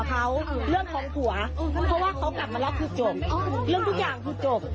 มึงได้ประจาภบ